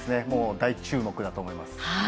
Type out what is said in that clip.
大注目だと思います。